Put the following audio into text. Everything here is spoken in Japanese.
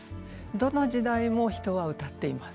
どの時代も人は歌っています。